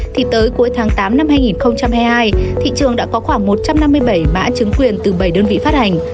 thì tới cuối tháng tám năm hai nghìn hai mươi hai thị trường đã có khoảng một trăm năm mươi bảy mã chứng quyền từ bảy đơn vị phát hành